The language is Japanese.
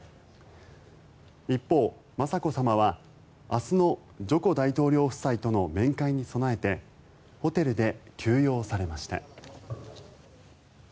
一方、雅子さまは明日のジョコ大統領夫妻との面会に備えてホテルで休養されました。